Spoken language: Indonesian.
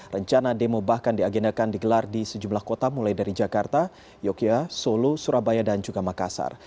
rencana demo bahkan diagendakan digelar di sejumlah kota mulai dari jakarta yogyakarta solo surabaya dan juga makassar